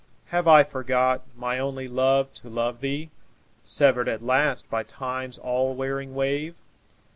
Have I forgot, my only love, to love thee, Severed at last by Time's all wearing wave?